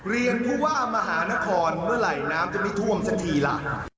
ผู้ว่ามหานครเมื่อไหร่น้ำจะไม่ท่วมสักทีล่ะ